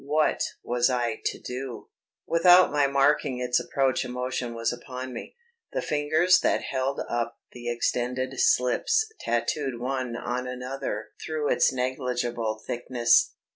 What was I to do? Without my marking its approach emotion was upon me. The fingers that held up the extended slips tattooed one on another through its negligible thickness.